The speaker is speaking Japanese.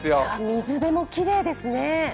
水辺もきれいですね。